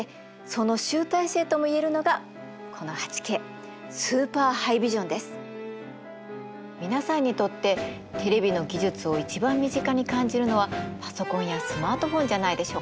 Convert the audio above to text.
その集大成とも言えるのがこの皆さんにとってテレビの技術を一番身近に感じるのはパソコンやスマートフォンじゃないでしょうか？